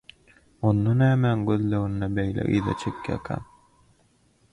Onda nämäň gözleginde beýle yza çekýärkäm?